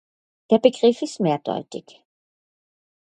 Der Begriff ist mehrdeutig.